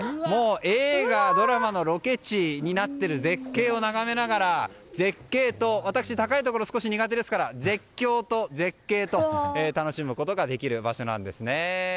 映画、ドラマのロケ地になっている絶景を眺めながら絶景と私、高いところが少し苦手ですから絶叫と絶景を楽しむことができる場所なんです。